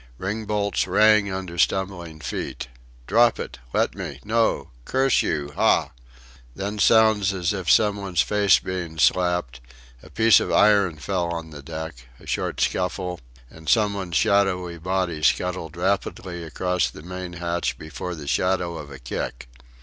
Ringbolts rang under stumbling feet. "Drop it!" "Let me!" "No!" "Curse you... hah!" Then sounds as of some one's face being slapped; a piece of iron fell on the deck; a short scuffle, and some one's shadowy body scuttled rapidly across the main hatch before the shadow of a kick.